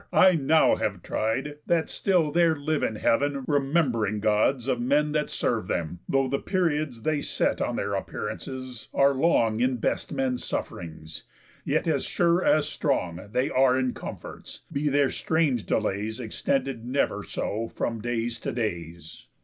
I now have tried That still there live in heav'n rememb'ring Gods Of men that serve them; though the periods They set on their appearances are long In best men's suff'rings, yet as sure as strong They are in comforts, be their strange delays Extended never so from days to days.